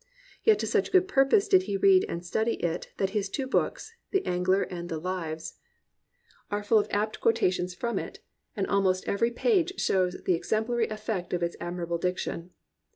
Yet to such good purpose did he read and study it that his two books, the Angler and the Lives, are full of apt quotations from 303 COMPANIONABLE BOOKS it, and almost every page shows the exemplary effect of its admirable diction.